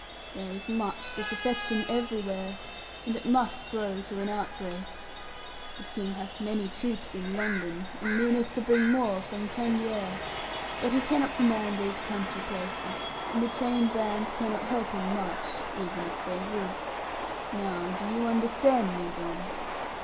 There is much disaffection everywhere, and it must grow to an outbreak. The King hath many troops in London, and meaneth to bring more from Tangier; but he cannot command these country places; and the trained bands cannot help him much, even if they would. Now, do you understand me, John?'